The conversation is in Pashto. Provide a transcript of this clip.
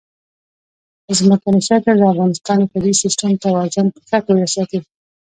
ځمکنی شکل د افغانستان د طبعي سیسټم توازن په ښه توګه ساتي.